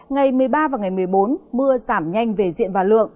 ngày một mươi ba và ngày một mươi bốn mưa giảm nhanh về diện và lượng